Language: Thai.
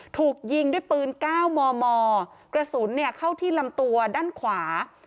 ถูกยิงด้วยปืนก้าวมอมอกระสุนเนี่ยเข้าที่ลำตัวด้านขวา